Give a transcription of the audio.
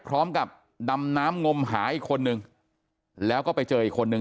พร้อมกับดำน้ำงมหาอีกคนนึงแล้วก็ไปเจออีกคนนึง